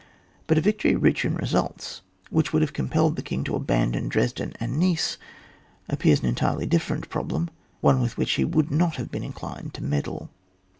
But a victory rich in results, which would have compelled the king to abandon Dresden and Neisse, appears an entirely different problem, one with which he would not have been inclined to med dle.